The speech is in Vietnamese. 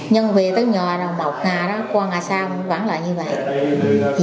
nhưng về tới nhà rồi một ngày đó qua ngày sau nó vắng lại như vậy